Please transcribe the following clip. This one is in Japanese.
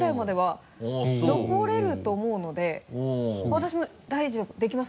私も大丈夫できます。